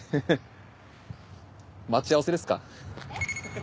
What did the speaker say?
えっ？待ち合わせですか？